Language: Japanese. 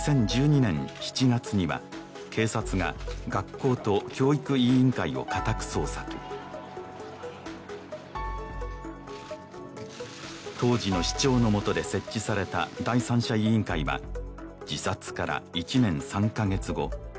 ２０１２年７月には警察が学校と教育委員会を家宅捜索当時の市長のもとで設置された第三者委員会は自殺から１年３カ月後